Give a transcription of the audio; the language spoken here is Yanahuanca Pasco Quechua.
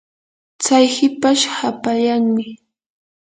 tsay hipash hapallanmi.